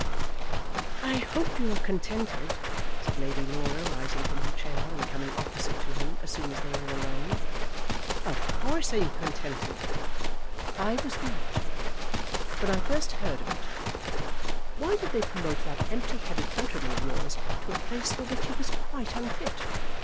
"I hope you are contented?" said Lady Laura, rising from her chair and coming opposite to him as soon as they were alone. "Of course I am contented." "I was not, when I first heard of it. Why did they promote that empty headed countryman of yours to a place for which he was quite unfit?